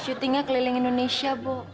syutingnya keliling indonesia po